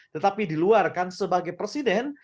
tetapi diluar kan sebagai presiden